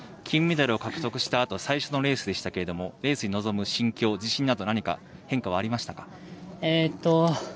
金メダルを獲得したあと最初のレースでしたけれどもレースに臨む心境自信など何か変化はありますか？